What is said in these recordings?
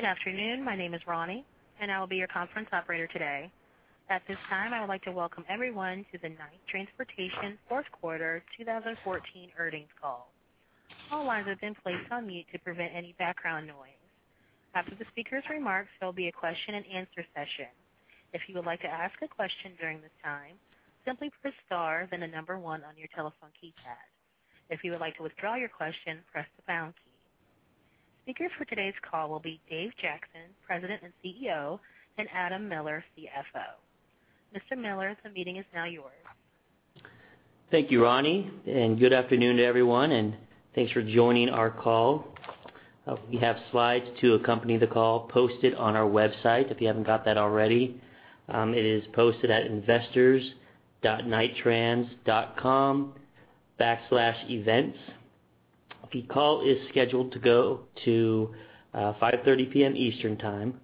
Good afternoon. My name is Ronnie, and I will be your conference operator today. At this time, I would like to welcome everyone to the Knight Transportation fourth quarter 2014 earnings call. All lines have been placed on mute to prevent any background noise. After the speaker's remarks, there'll be a question and answer session. If you would like to ask a question during this time, simply press star, then the number one on your telephone keypad. If you would like to withdraw your question, press the pound key. Speaker for today's call will be Dave Jackson, President and CEO, and Adam Miller, CFO. Mr. Miller, the meeting is now yours. Thank you, Ronnie, and good afternoon to everyone, and thanks for joining our call. We have slides to accompany the call posted on our website. If you haven't got that already, it is posted at investors.knighttrans.com/events. The call is scheduled to go to 5:30 P.M. Eastern Time.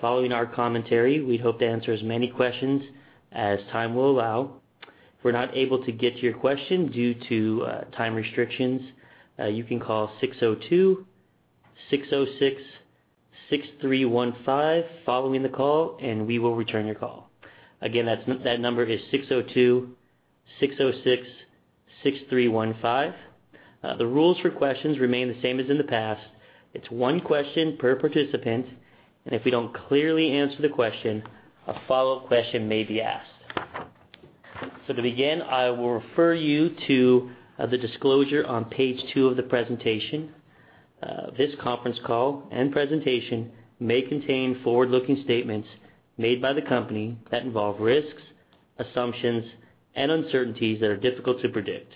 Following our commentary, we hope to answer as many questions as time will allow. If we're not able to get to your question due to time restrictions, you can call 602-606-6315 following the call, and we will return your call. Again, that number is 602-606-6315. The rules for questions remain the same as in the past. It's one question per participant, and if we don't clearly answer the question, a follow-up question may be asked. So to begin, I will refer you to the disclosure on page two of the presentation. This conference call and presentation may contain forward-looking statements made by the company that involve risks, assumptions, and uncertainties that are difficult to predict.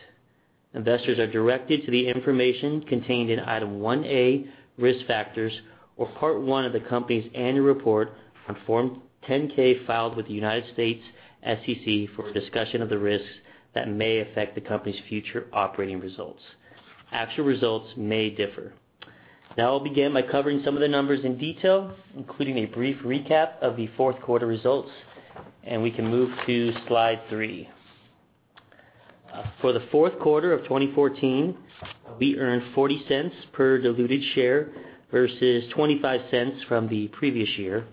Investors are directed to the information contained in Item 1A, Risk Factors, or Part 1 of the company's annual report on Form 10-K, filed with the United States SEC for a discussion of the risks that may affect the company's future operating results. Actual results may differ. Now, I'll begin by covering some of the numbers in detail, including a brief recap of the fourth quarter results, and we can move to slide three. For the fourth quarter of 2014, we earned $0.40 per diluted share versus $0.25 from the previous year.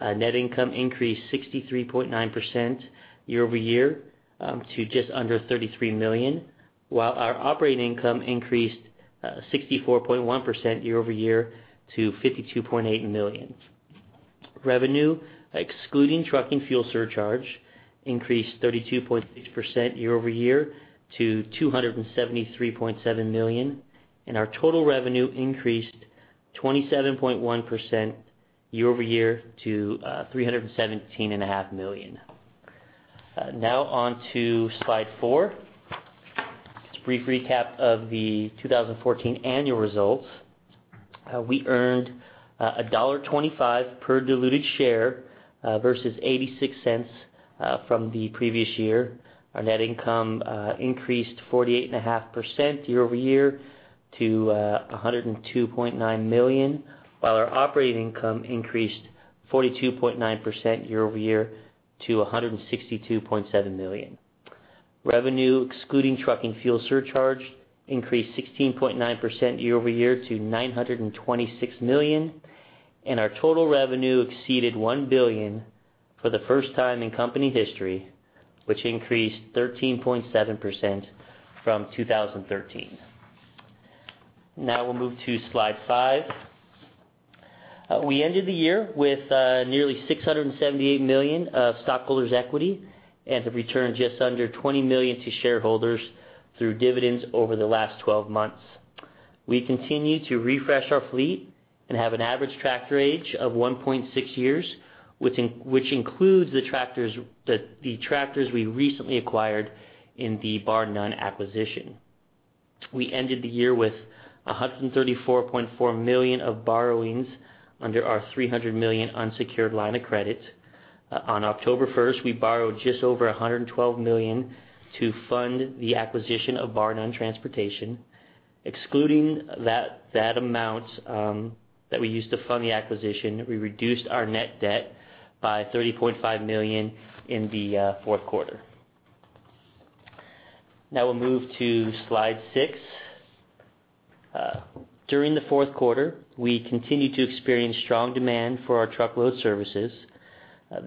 Net income increased 63.9% year-over-year to just under $33 million, while our operating income increased 64.1% year-over-year to $52.8 million. Revenue, excluding trucking fuel surcharge, increased 32.6% year-over-year to $273.7 million, and our total revenue increased 27.1% year-over-year to $317.5 million. Now on to slide four. Brief recap of the 2014 annual results. We earned $1.25 per diluted share versus $0.86 from the previous year. Our net income increased 48.5% year over year to $102.9 million, while our operating income increased 42.9% year over year to $162.7 million. Revenue, excluding trucking fuel surcharge, increased 16.9% year over year to $926 million, and our total revenue exceeded $1 billion for the first time in company history, which increased 13.7% from 2013. Now we'll move to slide five. We ended the year with nearly $678 million of stockholders' equity, and have returned just under $20 million to shareholders through dividends over the last 12 months. We continue to refresh our fleet and have an average tractor age of 1.6 years, which includes the tractors that we recently acquired in the Barr-Nunn acquisition. We ended the year with $134.4 million of borrowings under our $300 million unsecured line of credit. On October 1, we borrowed just over $112 million to fund the acquisition of Barr-Nunn Transportation. Excluding that amount that we used to fund the acquisition, we reduced our net debt by $30.5 million in the fourth quarter. Now we'll move to slide six. During the fourth quarter, we continued to experience strong demand for our truckload services.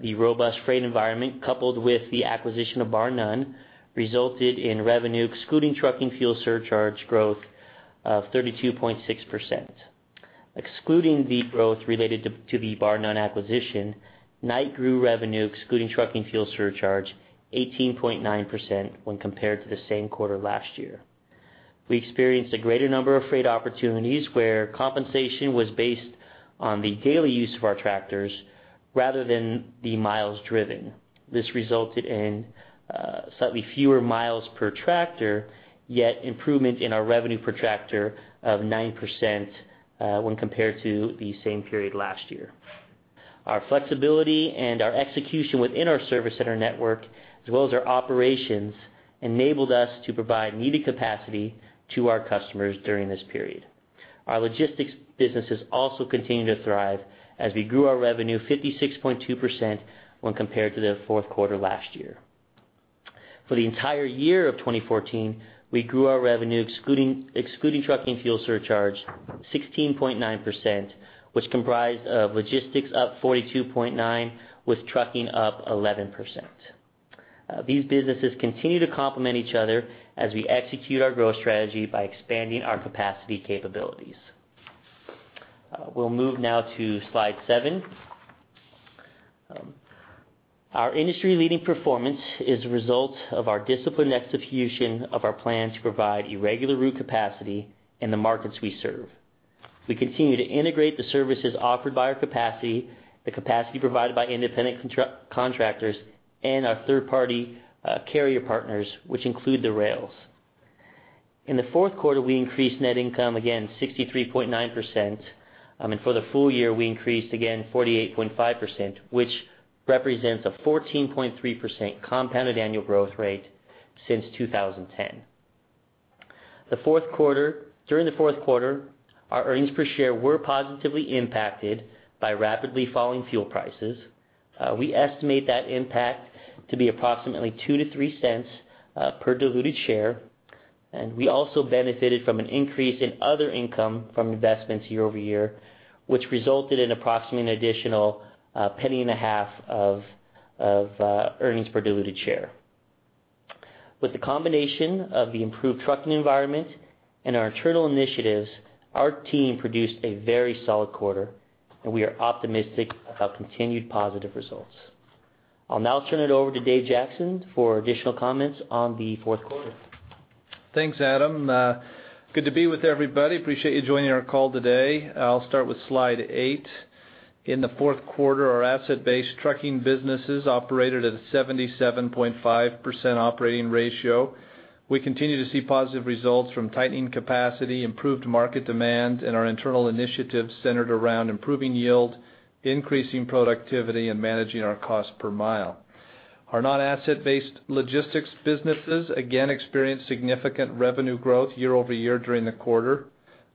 The robust freight environment, coupled with the acquisition of Barr-Nunn, resulted in revenue, excluding trucking fuel surcharge growth of 32.6%. Excluding the growth related to the Barr-Nunn acquisition, Knight grew revenue, excluding trucking fuel surcharge, 18.9% when compared to the same quarter last year. We experienced a greater number of freight opportunities where compensation was based on the daily use of our tractors rather than the miles driven. This resulted in slightly fewer miles per tractor, yet improvement in our revenue per tractor of 9% when compared to the same period last year. Our flexibility and our execution within our service center network, as well as our operations, enabled us to provide needed capacity to our customers during this period. Our logistics businesses also continued to thrive as we grew our revenue 56.2% when compared to the fourth quarter last year. For the entire year of 2014, we grew our revenue, excluding trucking fuel surcharge, 16.9%, which comprised of logistics up 42.9, with trucking up 11%. These businesses continue to complement each other as we execute our growth strategy by expanding our capacity capabilities. We'll move now to slide seven. Our industry-leading performance is a result of our disciplined execution of our plan to provide irregular route capacity in the markets we serve. We continue to integrate the services offered by our capacity, the capacity provided by independent contractors, and our third-party carrier partners, which include the rails. In the fourth quarter, we increased net income again 63.9%, and for the full year, we increased again 48.5%, which represents a 14.3% compounded annual growth rate since 2010. During the fourth quarter, our earnings per share were positively impacted by rapidly falling fuel prices. We estimate that impact to be approximately $0.02-$0.03 per diluted share, and we also benefited from an increase in other income from investments year-over-year, which resulted in approximately an additional $0.015 of earnings per diluted share. With the combination of the improved trucking environment and our internal initiatives, our team produced a very solid quarter, and we are optimistic about continued positive results. I'll now turn it over to Dave Jackson for additional comments on the fourth quarter. Thanks, Adam. Good to be with everybody. Appreciate you joining our call today. I'll start with slide eight. In the fourth quarter, our asset-based trucking businesses operated at a 77.5% operating ratio. We continue to see positive results from tightening capacity, improved market demand, and our internal initiatives centered around improving yield, increasing productivity, and managing our cost per mile. Our non-asset-based logistics businesses again experienced significant revenue growth year-over-year during the quarter.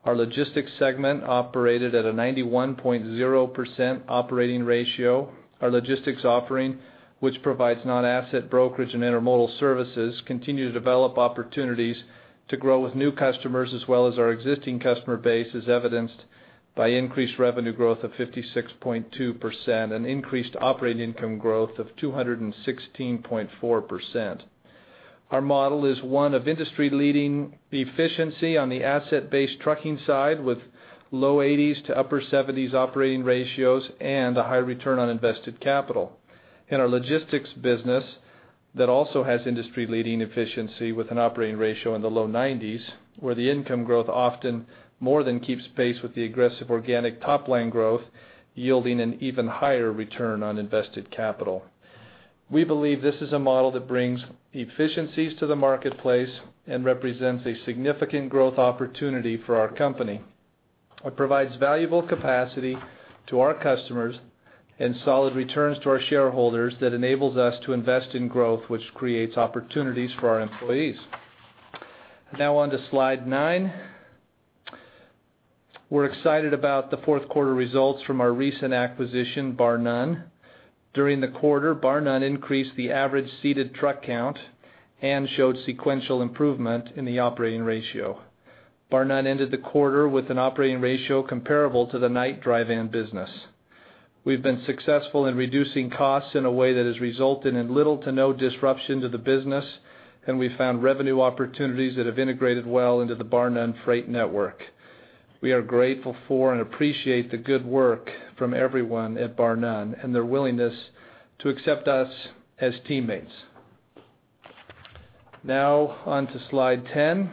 Our logistics segment operated at a 91.0% operating ratio. Our logistics offering, which provides non-asset brokerage and intermodal services, continue to develop opportunities to grow with new customers, as well as our existing customer base, as evidenced by increased revenue growth of 56.2% and increased operating income growth of 216.4%. Our model is one of industry-leading efficiency on the asset-based trucking side, with low 80s to upper 70s operating ratios and a high return on invested capital. In our logistics business, that also has industry-leading efficiency with an operating ratio in the low 90s, where the income growth often more than keeps pace with the aggressive organic top-line growth, yielding an even higher return on invested capital. We believe this is a model that brings efficiencies to the marketplace and represents a significant growth opportunity for our company. It provides valuable capacity to our customers and solid returns to our shareholders that enables us to invest in growth, which creates opportunities for our employees. Now on to slide nine. We're excited about the fourth quarter results from our recent acquisition, Barr-Nunn. During the quarter, Barr-Nunn increased the average seated truck count and showed sequential improvement in the operating ratio. Barr-Nunn ended the quarter with an operating ratio comparable to the Knight dry van business. We've been successful in reducing costs in a way that has resulted in little to no disruption to the business, and we found revenue opportunities that have integrated well into the Barr-Nunn freight network. We are grateful for and appreciate the good work from everyone at Barr-Nunn and their willingness to accept us as teammates. Now on to slide 10.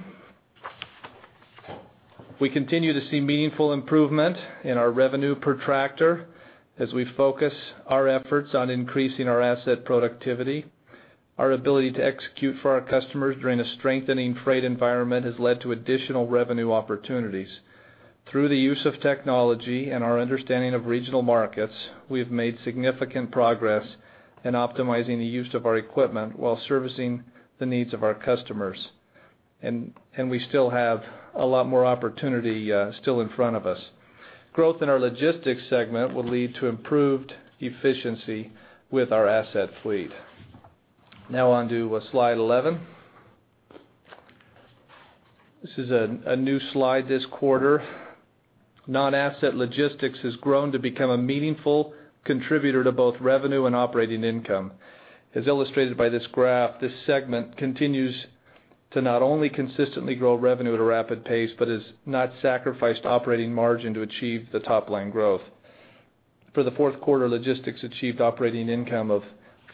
We continue to see meaningful improvement in our revenue per tractor as we focus our efforts on increasing our asset productivity. Our ability to execute for our customers during a strengthening freight environment has led to additional revenue opportunities. Through the use of technology and our understanding of regional markets, we've made significant progress in optimizing the use of our equipment while servicing the needs of our customers, and, and we still have a lot more opportunity, still in front of us. Growth in our logistics segment will lead to improved efficiency with our asset fleet. Now on to slide 11. This is a, a new slide this quarter. Non-asset logistics has grown to become a meaningful contributor to both revenue and operating income. As illustrated by this graph, this segment continues to not only consistently grow revenue at a rapid pace, but has not sacrificed operating margin to achieve the top-line growth. For the fourth quarter, logistics achieved operating income of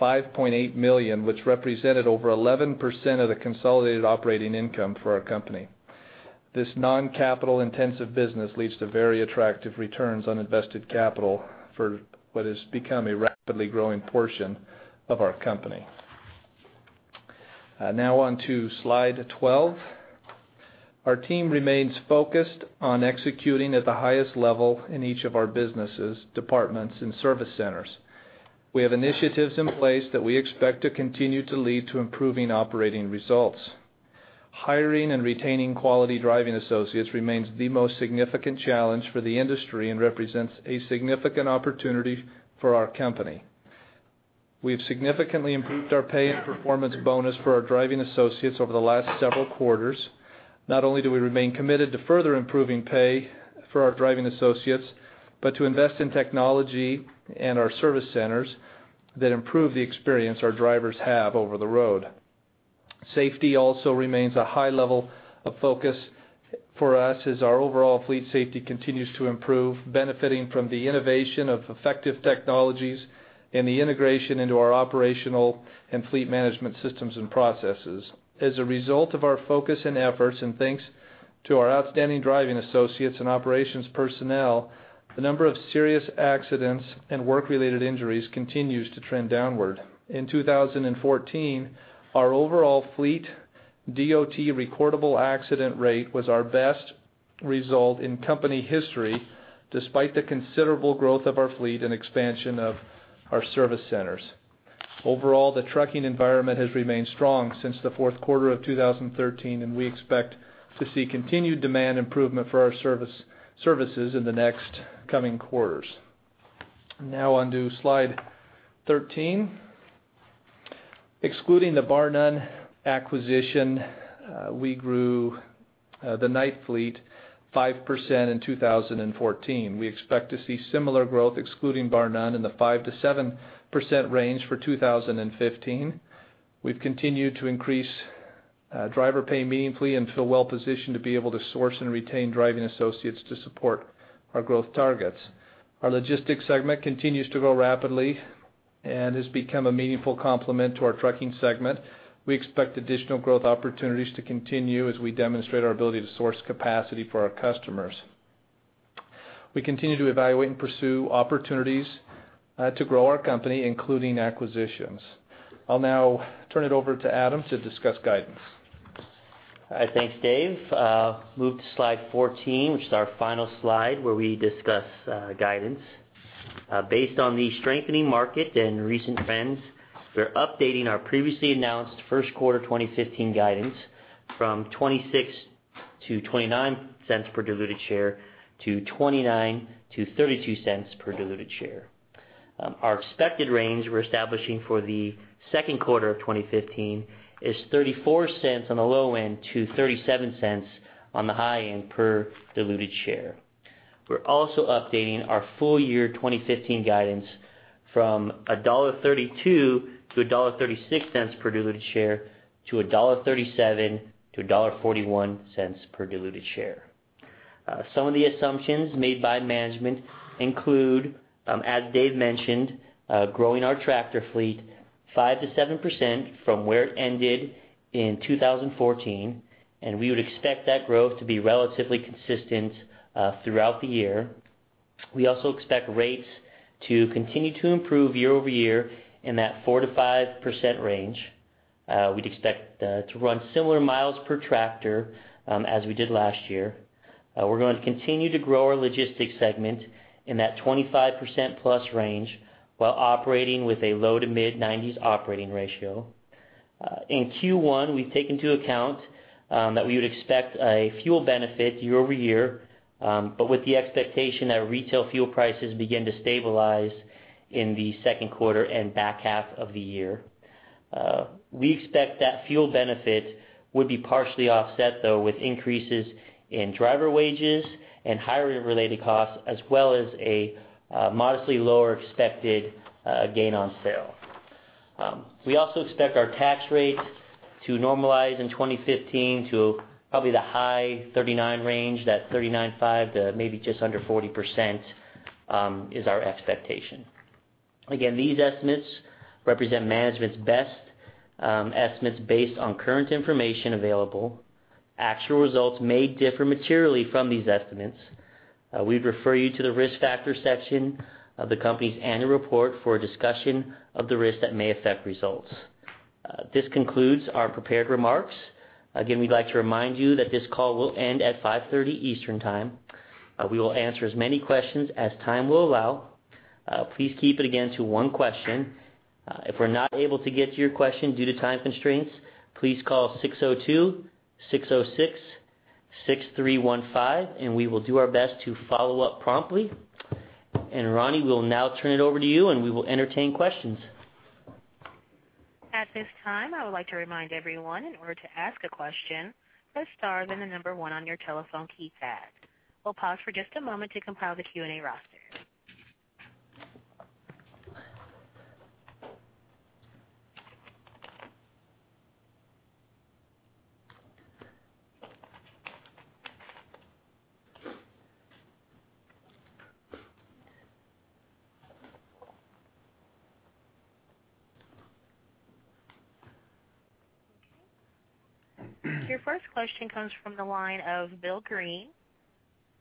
$5.8 million, which represented over 11% of the consolidated operating income for our company. This non-capital-intensive business leads to very attractive returns on invested capital for what has become a rapidly growing portion of our company. Now on to slide 12. Our team remains focused on executing at the highest level in each of our businesses, departments, and service centers. We have initiatives in place that we expect to continue to lead to improving operating results. Hiring and retaining quality driving associates remains the most significant challenge for the industry and represents a significant opportunity for our company. We've significantly improved our pay and performance bonus for our driving associates over the last several quarters. Not only do we remain committed to further improving pay for our driving associates, but to invest in technology and our service centers that improve the experience our drivers have over the road. Safety also remains a high level of focus for us as our overall fleet safety continues to improve, benefiting from the innovation of effective technologies and the integration into our operational and fleet management systems and processes. As a result of our focus and efforts, and thanks to our outstanding driving associates and operations personnel, the number of serious accidents and work-related injuries continues to trend downward. In 2014, our overall fleet DOT recordable accident rate was our best result in company history, despite the considerable growth of our fleet and expansion of our service centers. Overall, the trucking environment has remained strong since the fourth quarter of 2013, and we expect to see continued demand improvement for our service, services in the next coming quarters. Now on to slide 13. Excluding the Barr-Nunn acquisition, we grew the Knight fleet 5% in 2014. We expect to see similar growth, excluding Barr-Nunn, in the 5%-7% range for 2015. We've continued to increase driver pay meaningfully and feel well positioned to be able to source and retain driving associates to support our growth targets. Our logistics segment continues to grow rapidly and has become a meaningful complement to our trucking segment. We expect additional growth opportunities to continue as we demonstrate our ability to source capacity for our customers. We continue to evaluate and pursue opportunities to grow our company, including acquisitions. I'll now turn it over to Adam to discuss guidance. Thanks, Dave. Move to slide 14, which is our final slide, where we discuss guidance. Based on the strengthening market and recent trends, we're updating our previously announced first quarter 2015 guidance from $0.26-$0.29 per diluted share to $0.29-$0.32 per diluted share. Our expected range we're establishing for the second quarter 2015 is $0.34 on the low end to $0.37 on the high end per diluted share. We're also updating our full year 2015 guidance from $1.32-$1.36 per diluted share to $1.37-$1.41 per diluted share. Some of the assumptions made by management include, as Dave mentioned, growing our tractor fleet 5%-7% from where it ended in 2014, and we would expect that growth to be relatively consistent throughout the year. We also expect rates to continue to improve year-over-year in that 4%-5% range. We'd expect to run similar miles per tractor as we did last year. We're going to continue to grow our logistics segment in that 25%+ range, while operating with a low- to mid-90s operating ratio. In Q1, we've taken into account that we would expect a fuel benefit year-over-year, but with the expectation that retail fuel prices begin to stabilize in the second quarter and back half of the year. We expect that fuel benefit would be partially offset, though, with increases in driver wages and hiring-related costs, as well as a modestly lower expected gain on sale. We also expect our tax rate to normalize in 2015 to probably the high 39 range, that 39.5 to maybe just under 40% is our expectation. Again, these estimates represent management's best estimates based on current information available. Actual results may differ materially from these estimates. We'd refer you to the Risk Factors section of the company's annual report for a discussion of the risks that may affect results. This concludes our prepared remarks. Again, we'd like to remind you that this call will end at 5:30 P.M. Eastern Time. We will answer as many questions as time will allow. Please keep it again to one question. If we're not able to get to your question due to time constraints, please call 602-606-6315, and we will do our best to follow up promptly. And Ronnie, we'll now turn it over to you, and we will entertain questions. At this time, I would like to remind everyone, in order to ask a question, press star, then the number one on your telephone keypad. We'll pause for just a moment to compile the Q&A roster. Okay. Your first question comes from the line of Bill Greene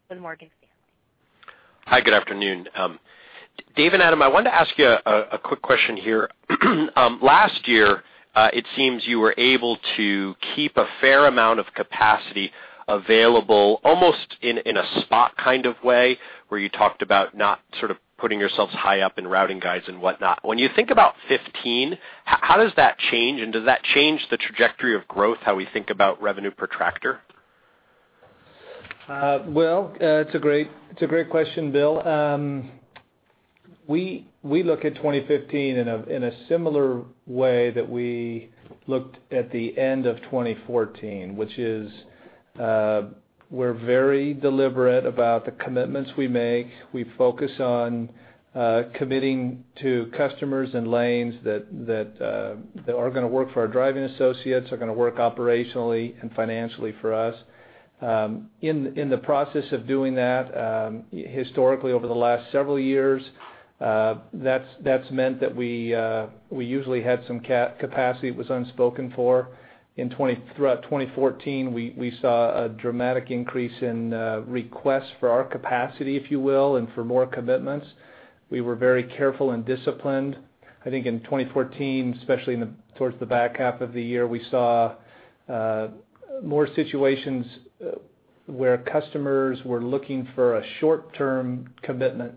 with Morgan Stanley. Hi, good afternoon. Dave and Adam, I wanted to ask you a quick question here. Last year, it seems you were able to keep a fair amount of capacity available, almost in a spot kind of way, where you talked about not sort of putting yourselves high up in routing guides and whatnot. When you think about 2015, how does that change, and does that change the trajectory of growth, how we think about revenue per tractor? Well, it's a great, it's a great question, Bill. We, we look at 2015 in a, in a similar way that we looked at the end of 2014, which is, we're very deliberate about the commitments we make. We focus on, committing to customers and lanes that, that, that are going to work for our driving associates, are going to work operationally and financially for us. In, in the process of doing that, historically, over the last several years, that's, that's meant that we, we usually had some capacity that was unspoken for. Throughout 2014, we, we saw a dramatic increase in, requests for our capacity, if you will, and for more commitments. We were very careful and disciplined. I think in 2014, especially in the towards the back half of the year, we saw more situations where customers were looking for a short-term commitment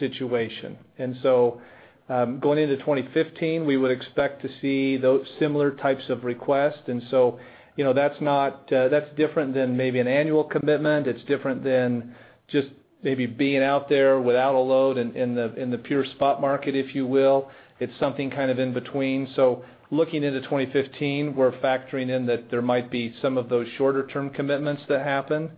situation. And so, going into 2015, we would expect to see those similar types of requests. And so, you know, that's different than maybe an annual commitment. It's different than just maybe being out there without a load in the pure spot market, if you will. It's something kind of in between. So looking into 2015, we're factoring in that there might be some of those shorter term commitments that happen.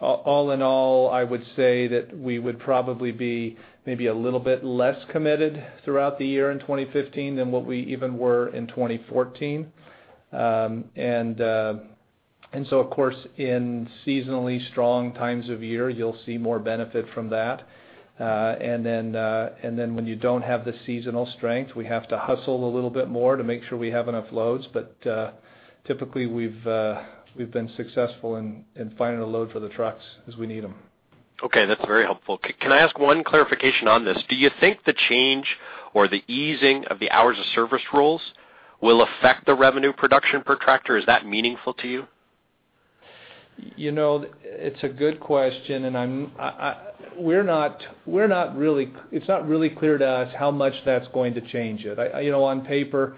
All in all, I would say that we would probably be maybe a little bit less committed throughout the year in 2015 than what we even were in 2014. And so of course, in seasonally strong times of year, you'll see more benefit from that. And then, when you don't have the seasonal strength, we have to hustle a little bit more to make sure we have enough loads. But typically, we've been successful in finding a load for the trucks as we need them. Okay, that's very helpful. Can I ask one clarification on this? Do you think the change or the easing of the hours of service rules will affect the revenue production per tractor? Is that meaningful to you? You know, it's a good question, and I'm... We're not really. It's not really clear to us how much that's going to change it. I, you know, on paper,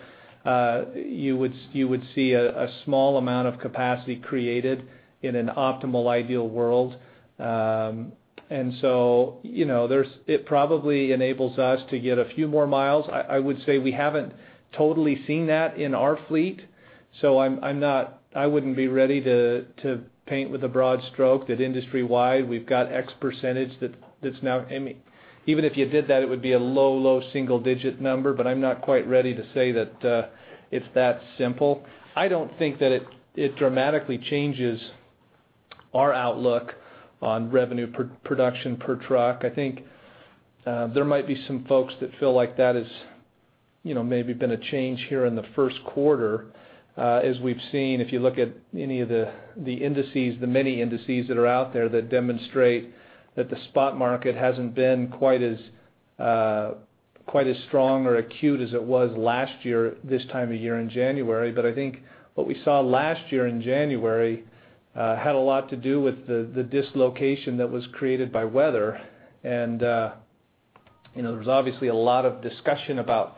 you would see a small amount of capacity created in an optimal, ideal world. And so, you know, it probably enables us to get a few more miles. I would say we haven't totally seen that in our fleet, so I'm not. I wouldn't be ready to paint with a broad stroke that industry wide, we've got X percentage that's now. I mean, even if you did that, it would be a low, low single digit number. But I'm not quite ready to say that, it's that simple. I don't think that it dramatically changes our outlook on revenue per production per truck. I think there might be some folks that feel like that is, you know, maybe been a change here in the first quarter. As we've seen, if you look at any of the, the indices, the many indices that are out there that demonstrate that the spot market hasn't been quite as quite as strong or acute as it was last year, this time of year in January. But I think what we saw last year in January had a lot to do with the, the dislocation that was created by weather. And, you know, there was obviously a lot of discussion about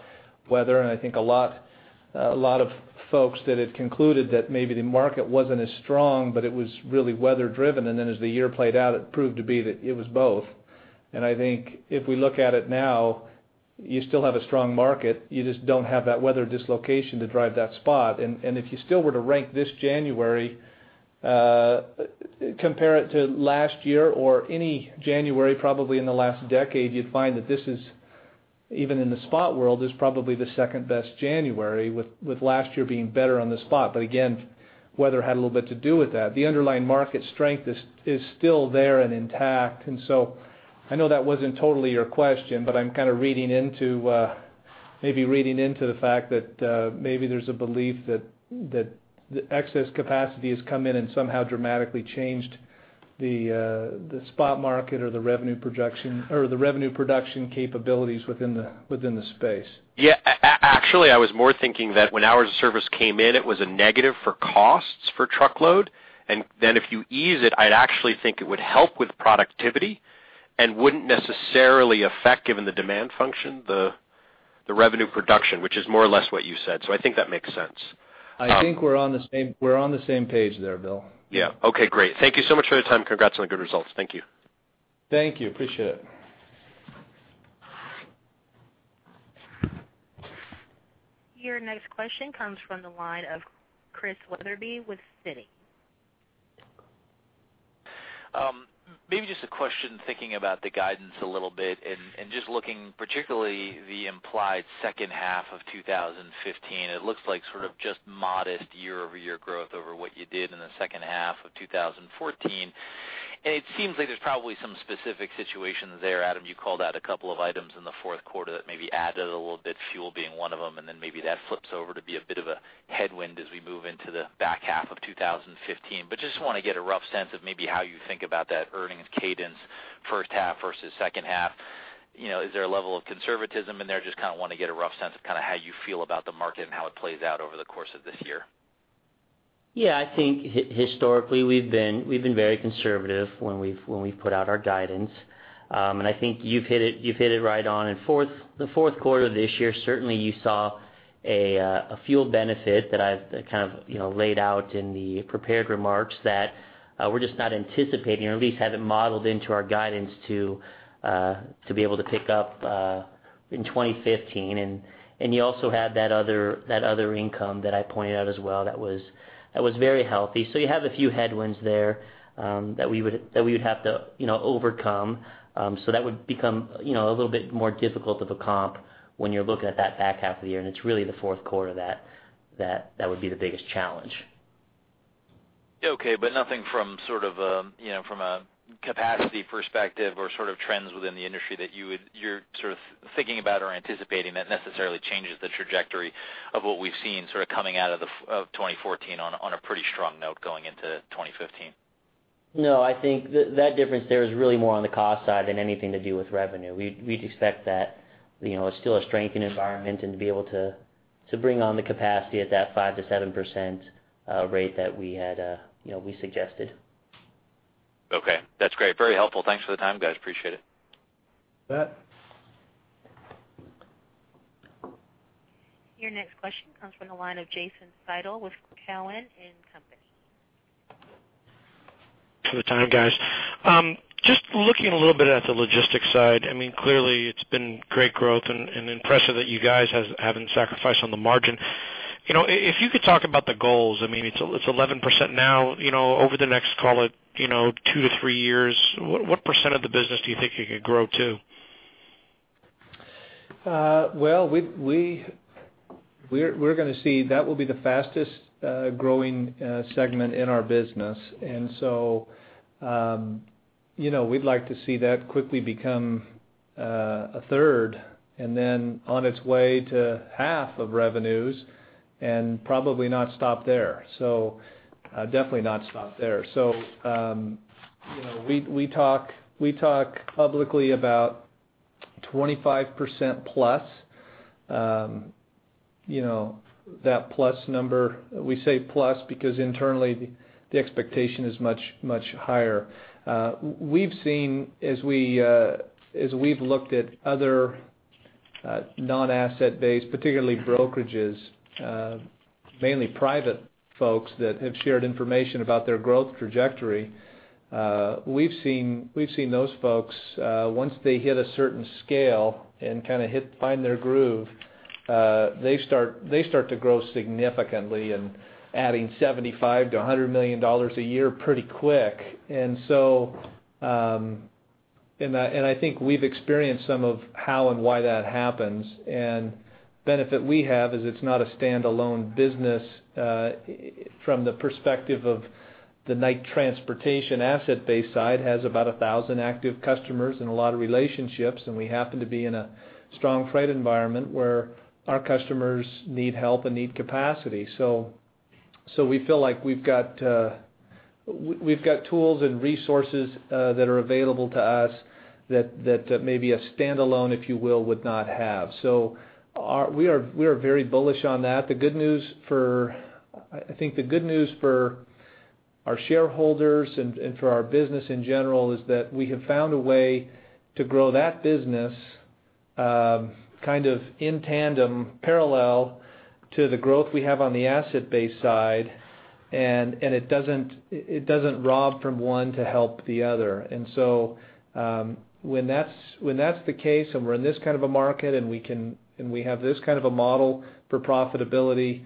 weather, and I think a lot, a lot of folks that had concluded that maybe the market wasn't as strong, but it was really weather driven. And then as the year played out, it proved to be that it was both. And I think if we look at it now, you still have a strong market. You just don't have that weather dislocation to drive that spot. And if you still were to rank this January, compare it to last year or any January, probably in the last decade, you'd find that this is, even in the spot world, probably the second best January, with last year being better on the spot. But again, weather had a little bit to do with that. The underlying market strength is still there and intact. And so I know that wasn't totally your question, but I'm kind of reading into, maybe reading into the fact that, maybe there's a belief that, that excess capacity has come in and somehow dramatically changed the, the spot market or the revenue projection, or the revenue production capabilities within the, within the space. Yeah, actually, I was more thinking that when hours of service came in, it was a negative for costs for truckload. And then if you ease it, I'd actually think it would help with productivity and wouldn't necessarily affect, given the demand function, the, the revenue production, which is more or less what you said. So I think that makes sense. I think we're on the same page there, Bill. Yeah. Okay, great. Thank you so much for your time. Congrats on the good results. Thank you. Thank you. Appreciate it. Your next question comes from the line of Chris Wetherbee with Citi. Maybe just a question, thinking about the guidance a little bit and just looking particularly at the implied second half of 2015, it looks like sort of just modest year-over-year growth over what you did in the second half of 2014. And it seems like there's probably some specific situations there. Adam, you called out a couple of items in the fourth quarter that maybe added a little bit, fuel being one of them, and then maybe that flips over to be a bit of a headwind as we move into the back half of 2015. But just want to get a rough sense of maybe how you think about that earnings cadence, first half versus second half. You know, is there a level of conservatism in there? Just kind of want to get a rough sense of kind of how you feel about the market and how it plays out over the course of this year? Yeah, I think historically, we've been very conservative when we've put out our guidance. And I think you've hit it right on. In the fourth quarter of this year, certainly, you saw a fuel benefit that I've kind of, you know, laid out in the prepared remarks that we're just not anticipating, or at least have it modeled into our guidance to be able to pick up in 2015. And you also had that other income that I pointed out as well that was very healthy. So you have a few headwinds there that we would have to, you know, overcome. So that would become, you know, a little bit more difficult of a comp when you're looking at that back half of the year, and it's really the fourth quarter that would be the biggest challenge. Okay. But nothing from sort of, you know, from a capacity perspective or sort of trends within the industry that you would- you're sort of thinking about or anticipating that necessarily changes the trajectory of what we've seen, sort of, coming out of the, of 2014 on a, on a pretty strong note going into 2015? No, I think that difference there is really more on the cost side than anything to do with revenue. We'd expect that, you know, it's still a strengthening environment and to be able to, to bring on the capacity at that 5%-7% rate that we had, you know, we suggested. Okay, that's great. Very helpful. Thanks for the time, guys. Appreciate it. Bet. Your next question comes from the line of Jason Seidl with Cowen and Company. Thanks for the time, guys. Just looking a little bit at the logistics side, I mean, clearly, it's been great growth and impressive that you guys haven't sacrificed on the margin. You know, if you could talk about the goals, I mean, it's 11% now, you know, over the next, call it, you know, two to three years, what percent of the business do you think you could grow to? Well, we're gonna see that will be the fastest growing segment in our business. And so, you know, we'd like to see that quickly become a third, and then on its way to half of revenues, and probably not stop there, so, definitely not stop there. So, you know, we talk publicly about 25% plus. You know, that plus number, we say plus because internally, the expectation is much, much higher. We've seen, as we, as we've looked at other non-asset-based, particularly brokerages, mainly private folks that have shared information about their growth trajectory, we've seen, we've seen those folks, once they hit a certain scale and kind of hit, find their groove, they start, they start to grow significantly and adding $75 million-$100 million a year pretty quick. And so, and I, and I think we've experienced some of how and why that happens. And benefit we have is it's not a standalone business, from the perspective of the Knight Transportation asset base side, has about 1,000 active customers and a lot of relationships, and we happen to be in a strong freight environment, where our customers need help and need capacity. So we feel like we've got tools and resources that are available to us that maybe a standalone, if you will, would not have. So we are very bullish on that. The good news for our shareholders and for our business in general is that we have found a way to grow that business kind of in tandem, parallel to the growth we have on the asset-based side, and it doesn't rob from one to help the other. So when that's the case, and we're in this kind of a market, and we have this kind of a model for profitability,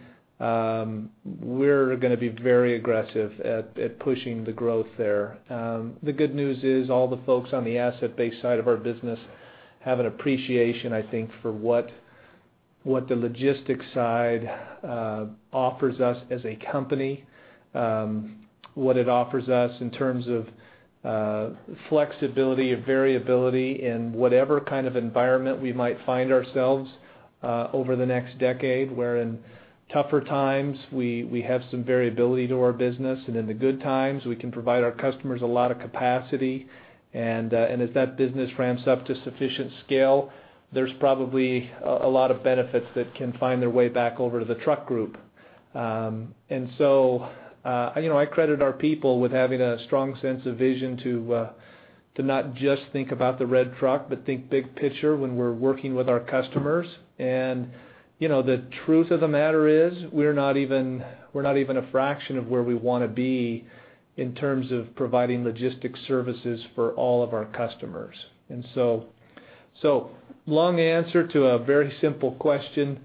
we're gonna be very aggressive at pushing the growth there. The good news is all the folks on the asset-based side of our business have an appreciation, I think, for what the logistics side offers us as a company, what it offers us in terms of flexibility and variability in whatever kind of environment we might find ourselves over the next decade, where in tougher times, we have some variability to our business, and in the good times, we can provide our customers a lot of capacity. And as that business ramps up to sufficient scale, there's probably a lot of benefits that can find their way back over to the truck group. And so, you know, I credit our people with having a strong sense of vision to not just think about the red truck, but think big picture when we're working with our customers. And, you know, the truth of the matter is, we're not even, we're not even a fraction of where we want to be in terms of providing logistics services for all of our customers. And so, so long answer to a very simple question,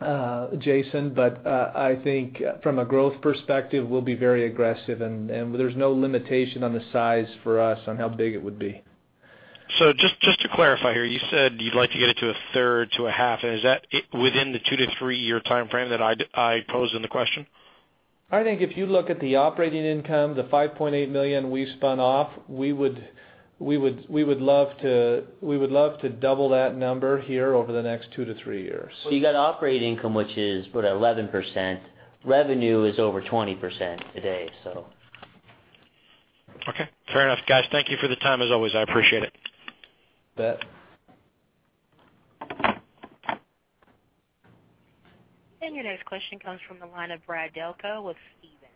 Jason, but, I think from a growth perspective, we'll be very aggressive, and, and there's no limitation on the size for us on how big it would be. So just to clarify here, you said you'd like to get it to a third to a half. Is that within the two to three year timeframe that I posed in the question? I think if you look at the operating income, the $5.8 million we spun off, we would love to double that number here over the next two to three years. So you got operating income, which is what? 11%. Revenue is over 20% today, so. Okay, fair enough. Guys, thank you for the time as always. I appreciate it. Bet. Your next question comes from the line of Brad Delco with Stephens.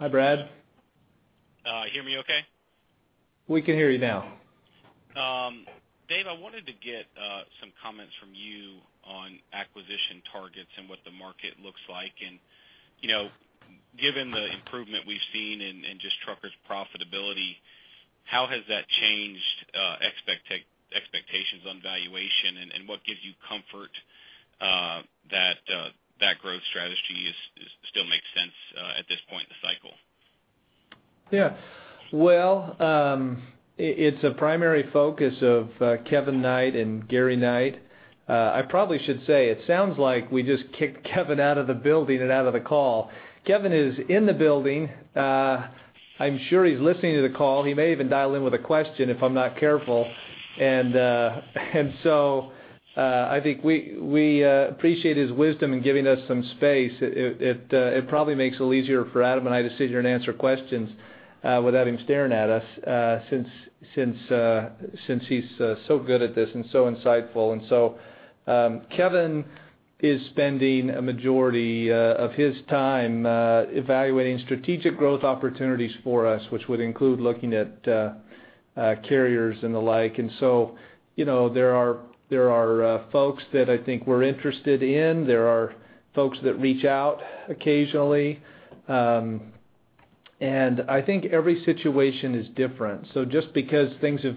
Hi, Brad. Hear me okay? We can hear you now. Dave, I wanted to get some comments from you on acquisition targets and what the market looks like. And, you know, given the improvement we've seen in just truckers' profitability, how has that changed expectations on valuation? And what gives you comfort that that growth strategy is still makes sense at this point in the cycle? Yeah. Well, it's a primary focus of Kevin Knight and Gary Knight. I probably should say, it sounds like we just kicked Kevin out of the building and out of the call. Kevin is in the building. I'm sure he's listening to the call. He may even dial in with a question, if I'm not careful. And so, I think we appreciate his wisdom in giving us some space. It probably makes it a little easier for Adam and I to sit here and answer questions without him staring at us, since he's so good at this and so insightful. And so, Kevin is spending a majority of his time evaluating strategic growth opportunities for us, which would include looking at carriers and the like. And so, you know, there are folks that I think we're interested in. There are folks that reach out occasionally. I think every situation is different. So just because things have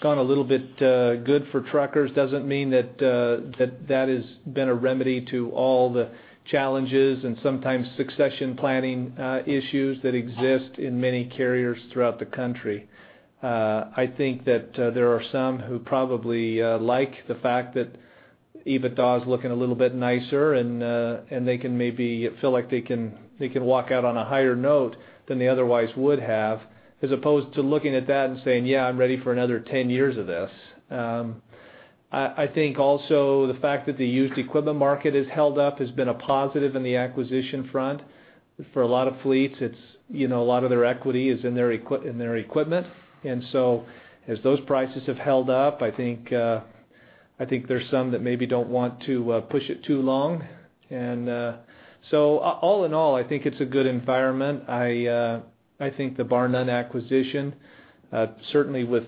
gone a little bit good for truckers, doesn't mean that that has been a remedy to all the challenges and sometimes succession planning issues that exist in many carriers throughout the country. I think that there are some who probably like the fact that EBITDA is looking a little bit nicer, and they can maybe feel like they can walk out on a higher note than they otherwise would have, as opposed to looking at that and saying, "Yeah, I'm ready for another 10 years of this." I think also the fact that the used equipment market has held up has been a positive in the acquisition front. For a lot of fleets, it's, you know, a lot of their equity is in their equipment. And so as those prices have held up, I think there's some that maybe don't want to push it too long. And so all in all, I think it's a good environment. I think the Barr-Nunn acquisition, certainly with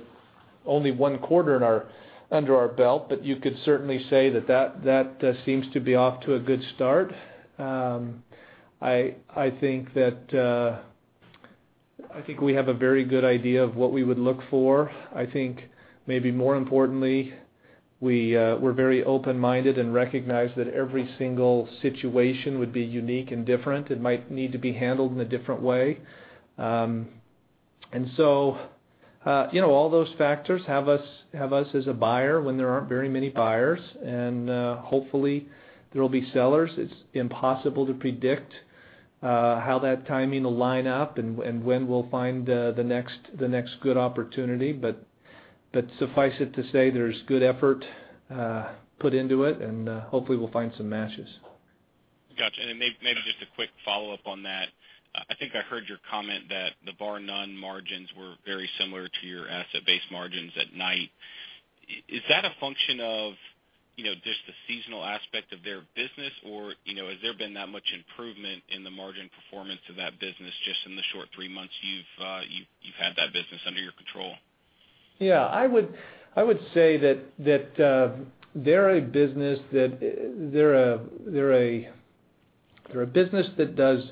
only one quarter under our belt, but you could certainly say that that seems to be off to a good start. I think that I think we have a very good idea of what we would look for. I think maybe more importantly, we, we're very open-minded and recognize that every single situation would be unique and different and might need to be handled in a different way. And so, you know, all those factors have us as a buyer when there aren't very many buyers, and hopefully, there will be sellers. It's impossible to predict how that timing will line up and when we'll find the next good opportunity. But suffice it to say, there's good effort put into it, and hopefully, we'll find some matches. Gotcha. And then maybe just a quick follow-up on that. I think I heard your comment that the Barr-Nunn margins were very similar to your asset base margins at Knight. Is that a function of, you know, just the seasonal aspect of their business, or, you know, has there been that much improvement in the margin performance of that business just in the short three months you've had that business under your control? Yeah, I would say that they're a business that does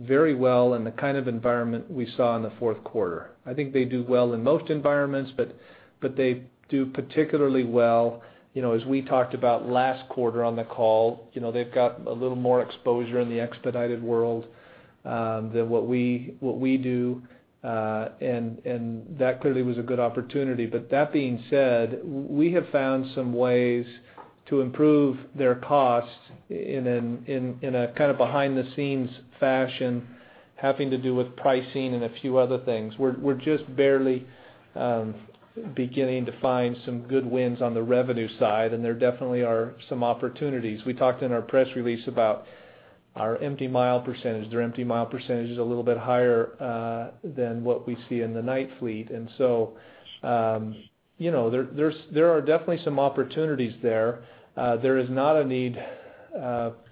very well in the kind of environment we saw in the fourth quarter. I think they do well in most environments, but they do particularly well, you know, as we talked about last quarter on the call. You know, they've got a little more exposure in the expedited world than what we do, and that clearly was a good opportunity. But that being said, we have found some ways to improve their costs in a kind of behind the scenes fashion, having to do with pricing and a few other things. We're just barely beginning to find some good wins on the revenue side, and there definitely are some opportunities. We talked in our press release about our empty mile percentage. Their empty mile percentage is a little bit higher than what we see in the Knight fleet. And so, you know, there are definitely some opportunities there. There is not a need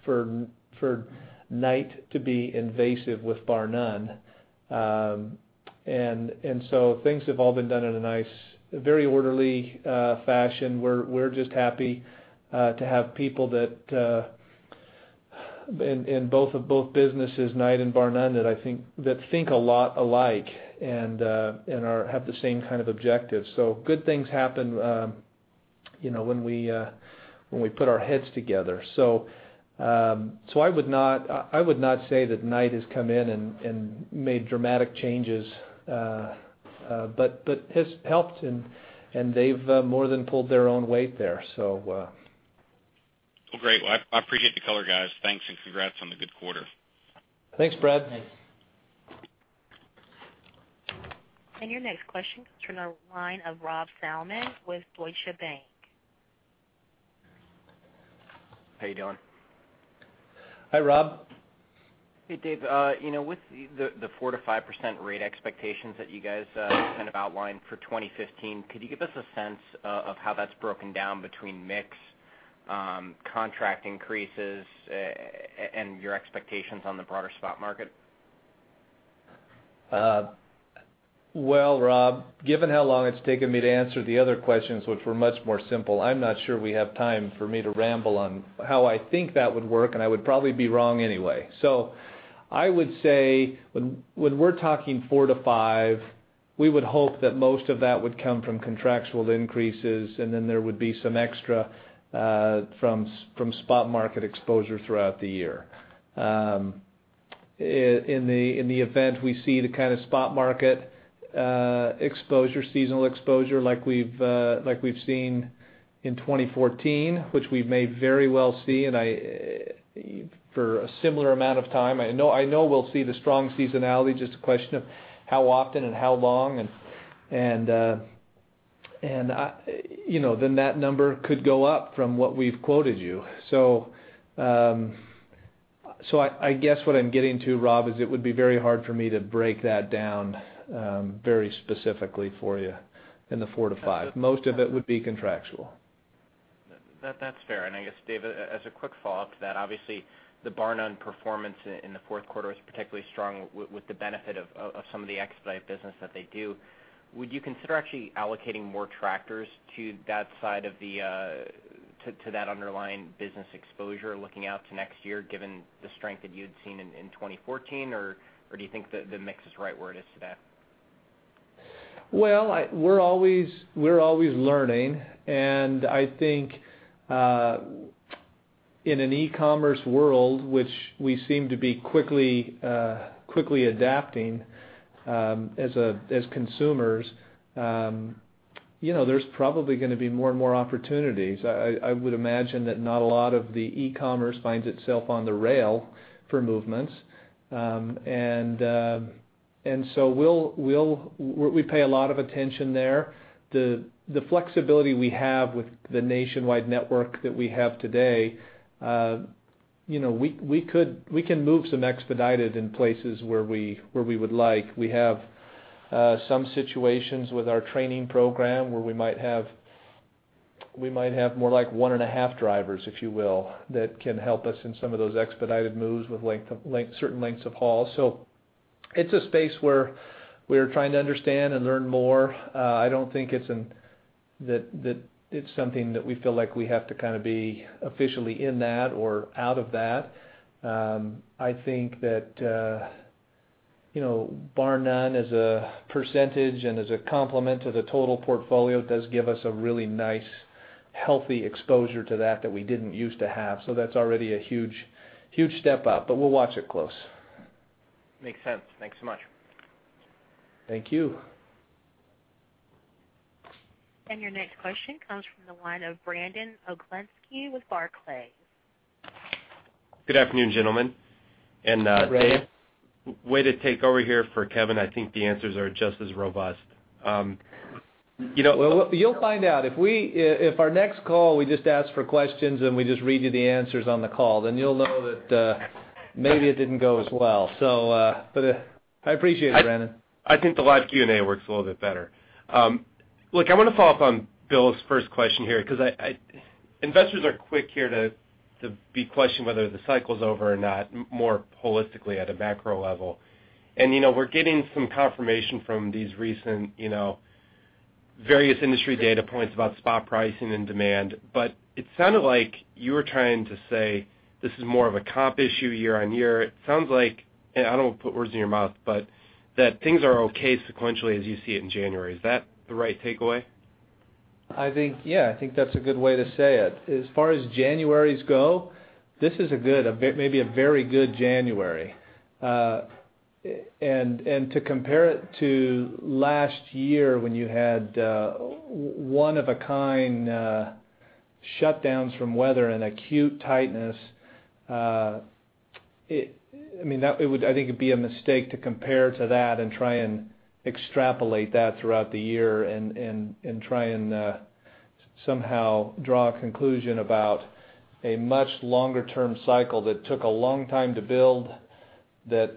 for Knight to be invasive with Barr-Nunn. And so things have all been done in a nice, very orderly fashion. We're just happy to have people that in both businesses, Knight and Barr-Nunn, that, I think, think a lot alike and have the same kind of objectives. So good things happen, you know, when we put our heads together. So, I would not say that Knight has come in and made dramatic changes, but it's helped, and they've more than pulled their own weight there, so... Well, great. Well, I appreciate the color, guys. Thanks, and congrats on the good quarter. Thanks, Brad. Your next question comes from the line of Rob Salmon with Deutsche Bank. How you doing? Hi, Rob. Hey, Dave, you know, with the 4%-5% rate expectations that you guys kind of outlined for 2015, could you give us a sense of how that's broken down between mix, contract increases, and your expectations on the broader spot market? Well, Rob, given how long it's taken me to answer the other questions, which were much more simple, I'm not sure we have time for me to ramble on how I think that would work, and I would probably be wrong anyway. So I would say when, when we're talking four to five, we would hope that most of that would come from contractual increases, and then there would be some extra from spot market exposure throughout the year. In the event we see the kind of spot market exposure, seasonal exposure like we've seen in 2014, which we may very well see, and I, for a similar amount of time, I know, I know we'll see the strong seasonality, just a question of how often and how long, and, and, you know, then that number could go up from what we've quoted you. So, so I, I guess what I'm getting to, Rob, is it would be very hard for me to break that down very specifically for you in the four to five. Most of it would be contractual. That's fair. And I guess, Dave, as a quick follow-up to that, obviously, the Barr-Nunn performance in the fourth quarter was particularly strong with the benefit of some of the expedited business that they do. Would you consider actually allocating more tractors to that side of the to that underlying business exposure looking out to next year, given the strength that you'd seen in 2014? Or do you think that the mix is right where it is today? Well, we're always, we're always learning, and I think, in an e-commerce world, which we seem to be quickly, quickly adapting, as consumers, you know, there's probably gonna be more and more opportunities. I would imagine that not a lot of the e-commerce finds itself on the rail for movements. And so we'll, we pay a lot of attention there. The flexibility we have with the nationwide network that we have today, you know, we could we can move some expedited in places where we would like. We have some situations with our training program where we might have, we might have more like one and a half drivers, if you will, that can help us in some of those expedited moves with length of certain lengths of hauls. So it's a space where we're trying to understand and learn more. I don't think it's something that we feel like we have to kind of be officially in that or out of that. I think that, you know, Barr-Nunn, as a percentage and as a complement to the total portfolio, does give us a really nice, healthy exposure to that we didn't use to have. So that's already a huge, huge step up, but we'll watch it close. Makes sense. Thanks so much. Thank you. Your next question comes from the line of Brandon Oglenski with Barclays. Good afternoon, gentlemen. Hi, Brandon. Way to take over here for Kevin. I think the answers are just as robust. You know- Well, you'll find out. If our next call, we just ask for questions, and we just read you the answers on the call, then you'll know that, maybe it didn't go as well. So, but, I appreciate it, Brandon. I think the live Q&A works a little bit better. Look, I want to follow up on Bill's first question here because investors are quick here to be questioning whether the cycle is over or not, more holistically at a macro level. You know, we're getting some confirmation from these recent, you know, various industry data points about spot pricing and demand. But it sounded like you were trying to say this is more of a comp issue year-over-year. It sounds like, and I don't want to put words in your mouth, but that things are okay sequentially as you see it in January. Is that the right takeaway? I think, yeah, I think that's a good way to say it. As far as Januaries go, this is a good, a bit, maybe a very good January. And to compare it to last year, when you had one of a kind shutdowns from weather and acute tightness, I mean, that would, I think, it would be a mistake to compare to that and try and extrapolate that throughout the year and try and somehow draw a conclusion about a much longer term cycle that took a long time to build, that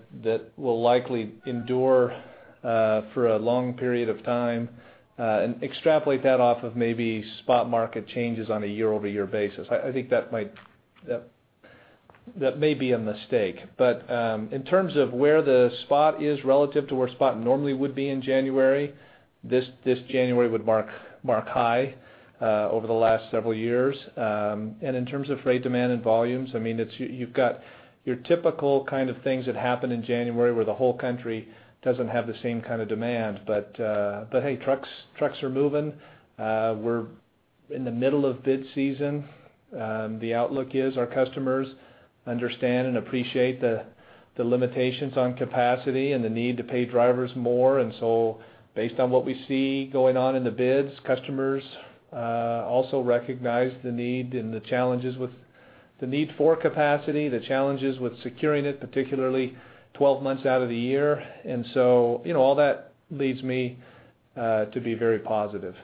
will likely endure for a long period of time, and extrapolate that off of maybe spot market changes on a year-over-year basis. I think that might, that may be a mistake. But in terms of where the spot is relative to where spot normally would be in January, this January would mark high over the last several years. And in terms of rate, demand, and volumes, I mean, it's you've got your typical kind of things that happen in January, where the whole country doesn't have the same kind of demand. But hey, trucks are moving. We're in the middle of bid season. The outlook is our customers understand and appreciate the limitations on capacity and the need to pay drivers more. And so based on what we see going on in the bids, customers also recognize the need and the challenges with the need for capacity, the challenges with securing it, particularly 12 months out of the year. And so, you know, all that leads me... To be very positive.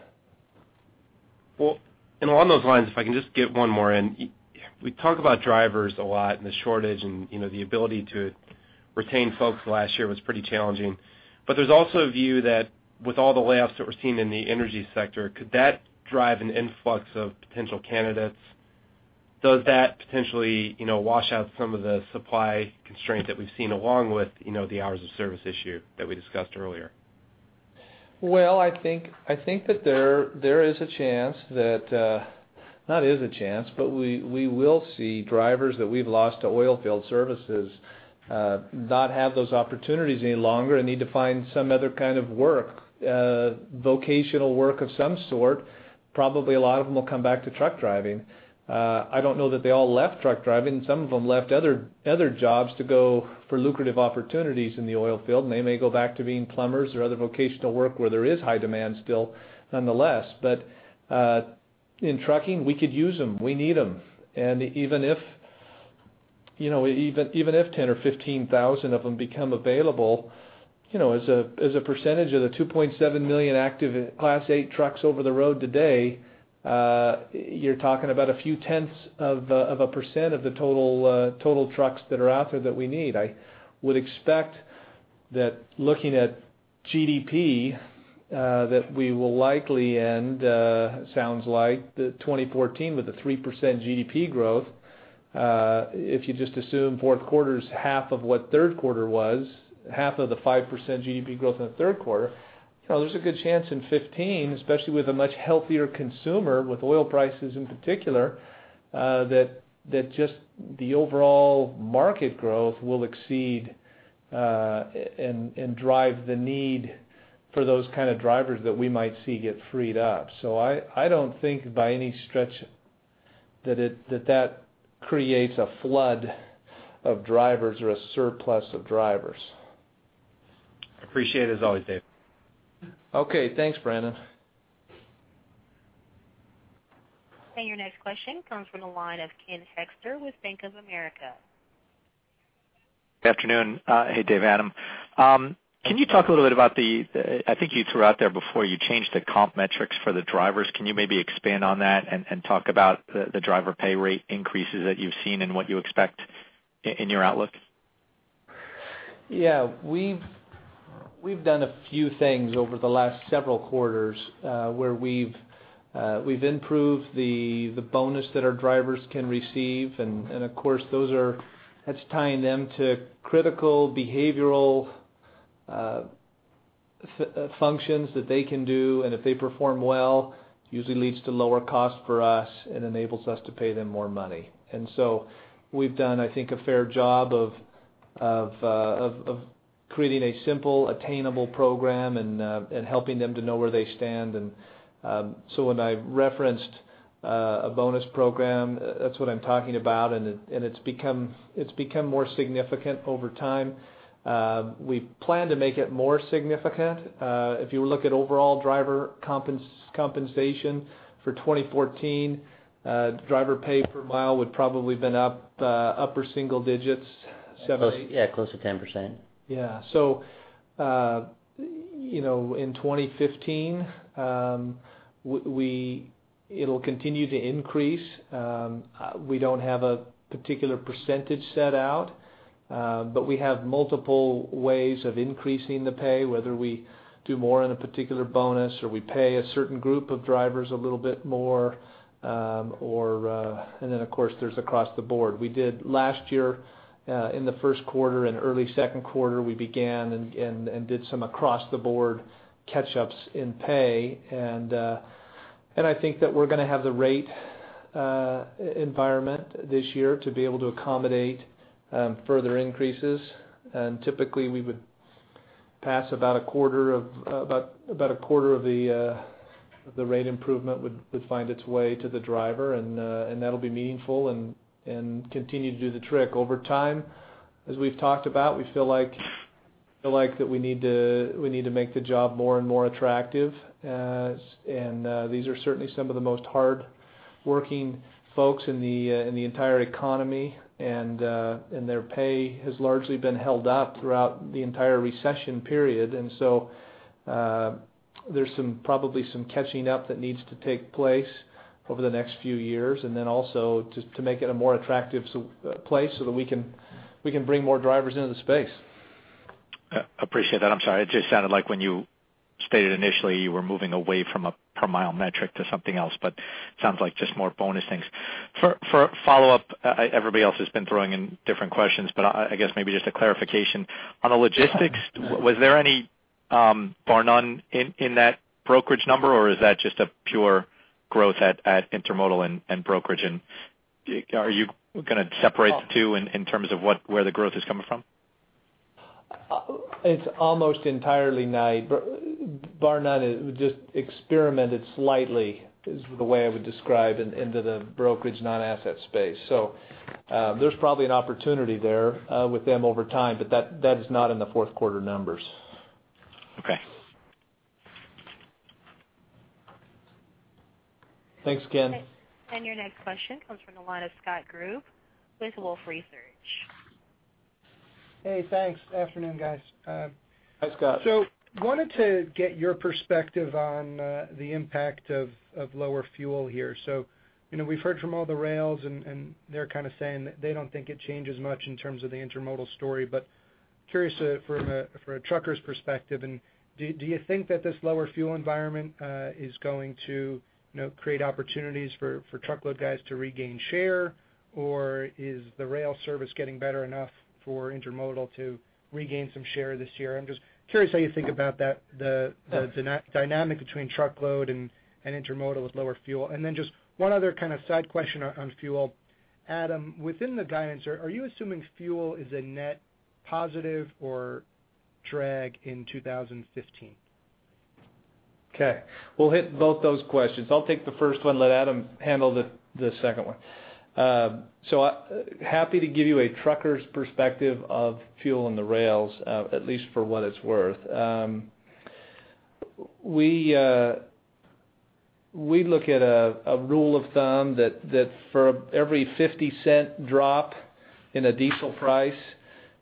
Well, and along those lines, if I can just get one more in. We talk about drivers a lot, and the shortage, and, you know, the ability to retain folks last year was pretty challenging. But there's also a view that with all the layoffs that we're seeing in the energy sector, could that drive an influx of potential candidates? Does that potentially, you know, wash out some of the supply constraints that we've seen along with, you know, the hours of service issue that we discussed earlier? Well, I think that there is a chance that we will see drivers that we've lost to oil field services not have those opportunities any longer and need to find some other kind of work, vocational work of some sort. Probably a lot of them will come back to truck driving. I don't know that they all left truck driving. Some of them left other jobs to go for lucrative opportunities in the oil field, and they may go back to being plumbers or other vocational work where there is high demand still, nonetheless. But, in trucking, we could use them. We need them. Even if, you know, even if 10,000 or 15,000 of them become available, you know, as a percentage of the 2.7 million active Class 8 trucks over the road today, you're talking about a few tenths of a percent of the total trucks that are out there that we need. I would expect that looking at GDP, that we will likely end, sounds like the 2014 with a 3% GDP growth. If you just assume fourth quarter is half of what third quarter was, half of the 5% GDP growth in the third quarter, you know, there's a good chance in 2015, especially with a much healthier consumer, with oil prices in particular, that, that just the overall market growth will exceed, and, and drive the need for those kind of drivers that we might see get freed up. So I, I don't think by any stretch, that it that, that creates a flood of drivers or a surplus of drivers. I appreciate it as always, Dave. Okay. Thanks, Brandon. Your next question comes from the line of Ken Hoexter with Bank of America. Good afternoon. Hey, Dave, Adam. Can you talk a little bit about the... I think you threw out there before, you changed the comp metrics for the drivers. Can you maybe expand on that and talk about the driver pay rate increases that you've seen and what you expect in your outlook? Yeah, we've done a few things over the last several quarters where we've improved the bonus that our drivers can receive. And of course, that's tying them to critical behavioral functions that they can do, and if they perform well, usually leads to lower cost for us and enables us to pay them more money. And so we've done, I think, a fair job of creating a simple, attainable program and helping them to know where they stand. So when I referenced a bonus program, that's what I'm talking about, and it's become more significant over time. We plan to make it more significant. If you look at overall driver compensation for 2014, driver pay per mile would probably been up, upper single digits, seven, eight. Yeah, close to 10%. Yeah. So, you know, in 2015, it'll continue to increase. We don't have a particular percentage set out, but we have multiple ways of increasing the pay, whether we do more in a particular bonus, or we pay a certain group of drivers a little bit more, or... And then, of course, there's across the board. We did last year, in the first quarter and early second quarter, we began and did some across-the-board catch-ups in pay. And I think that we're going to have the rate environment this year to be able to accommodate further increases. And typically, we would pass about a quarter of the rate improvement would find its way to the driver, and that'll be meaningful and continue to do the trick. Over time, as we've talked about, we feel like we need to make the job more and more attractive. These are certainly some of the most hard-working folks in the entire economy, and their pay has largely been held up throughout the entire recession period. So, there's some, probably some catching up that needs to take place over the next few years, and then also to make it a more attractive space so that we can bring more drivers into the space. Appreciate that. I'm sorry, it just sounded like when you stated initially, you were moving away from a per mile metric to something else, but sounds like just more bonus things. For a follow-up, everybody else has been throwing in different questions, but I guess maybe just a clarification. On the logistics, was there any Barr-Nunn in that brokerage number, or is that just a pure growth at intermodal and brokerage? And are you going to separate the two in terms of what where the growth is coming from? It's almost entirely Knight. Barr-Nunn just experimented slightly, is the way I would describe it, into the brokerage, non-asset space. So, there's probably an opportunity there, with them over time, but that, that is not in the fourth quarter numbers. Okay. Thanks again. Your next question comes from the line of Scott Group with Wolfe Research. Hey, thanks. Afternoon, guys. Hi, Scott. So, wanted to get your perspective on the impact of lower fuel here. So, you know, we've heard from all the rails, and they're kind of saying that they don't think it changes much in terms of the intermodal story. But curious from a trucker's perspective, do you think that this lower fuel environment is going to, you know, create opportunities for truckload guys to regain share? Or is the rail service getting better enough for intermodal to regain some share this year? I'm just curious how you think about that, the dynamic between truckload and intermodal with lower fuel. And then just one other kind of side question on fuel. Adam, within the guidance, are you assuming fuel is a net positive or drag in 2015? Okay, we'll hit both those questions. I'll take the first one, let Adam handle the second one. So I'm happy to give you a trucker's perspective of fuel on the rails, at least for what it's worth. We look at a rule of thumb that for every 50-cent drop in a diesel price,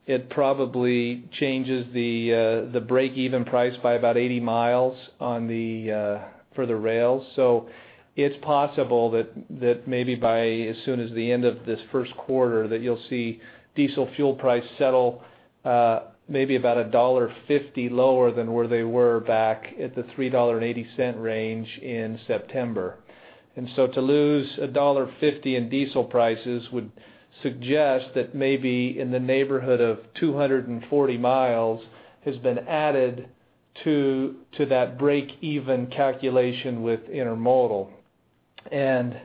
it probably changes the break-even price by about 80 miles on the for the rails. So it's possible that maybe by as soon as the end of this first quarter, that you'll see diesel fuel price settle, maybe about $1.50 lower than where they were back at the $3.80 range in September. So to lose $1.50 in diesel prices would suggest that maybe in the neighborhood of 240 miles has been added to that break-even calculation with intermodal. You